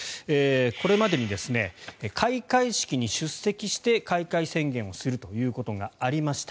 これまでに開会式に出席して開会宣言をするということがありました。